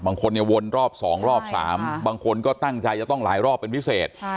บางคนเนี่ยวนรอบ๒รอบ๓บางคนก็ตั้งใจจะต้องหลายรอบเป็นพิเศษ